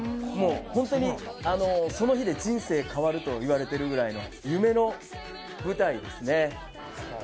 もう本当にその日で人生変わると言われてるぐらいの夢の舞台ですね。